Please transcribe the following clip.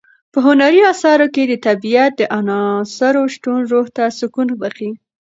په هنري اثارو کې د طبیعت د عناصرو شتون روح ته سکون بښي.